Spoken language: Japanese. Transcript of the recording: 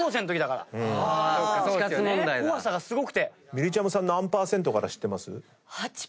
みりちゃむさん何％から知ってます？